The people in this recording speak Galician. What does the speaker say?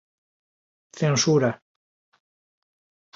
Censura